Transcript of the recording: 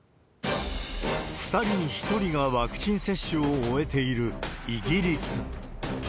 ２人に１人がワクチン接種を終えているイギリス。